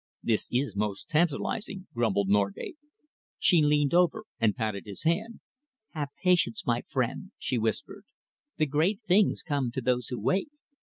"This is most tantalising," grumbled Norgate. She leaned over and patted his hand. "Have patience, my friend," she whispered. "The great things come to those who wait."